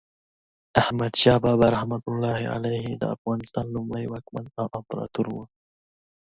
احمد شاه بابا رحمة الله علیه د افغانستان لومړی واکمن او امپراتور و.